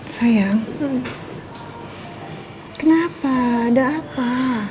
sayang kenapa ada apa